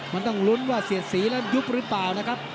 มันต้องลุ้นว่าเสียสีและยุบรึเปล่า